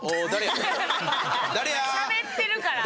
しゃべってるから。